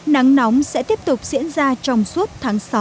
nắng nóng sẽ tiếp tục diễn ra trong suốt tháng sáu